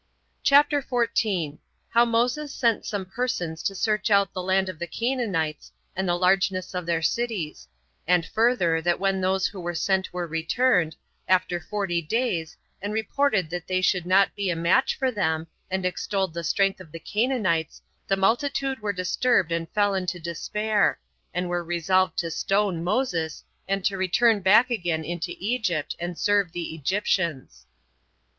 CHAPTER 14. How Moses Sent Some Persons To Search Out The Land Of The Canaanites, And The Largeness Of Their Cities; And Further That When Those Who Were Sent Were Returned, After Forty Days And Reported That They Should Not Be A Match For Them, And Extolled The Strength Of The Canaanites The Multitude Were Disturbed And Fell Into Despair; And Were Resolved To Stone Moses, And To Return Back Again Into Egypt, And Serve The Egyptians.